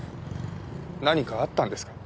何かあったんですか？